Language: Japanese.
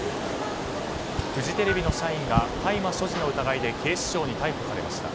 フジテレビの社員が大麻所持の疑いで警視庁に逮捕されました。